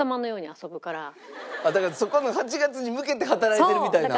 だからそこの８月に向けて働いてるみたいな。